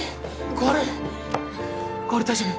小春大丈夫？